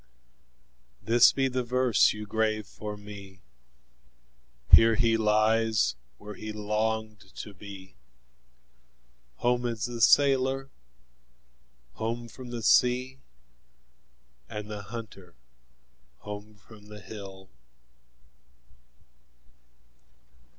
This be the verse you grave for me: 5 Here he lies where he long'd to be; Home is the sailor, home from sea, And the hunter home from the hill.